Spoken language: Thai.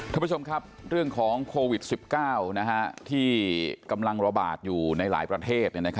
ท่านผู้ชมครับเรื่องของโควิด๑๙ที่กำลังระบาดอยู่ในหลายประเทศ